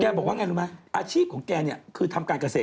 บอกว่าไงรู้ไหมอาชีพของแกเนี่ยคือทำการเกษตร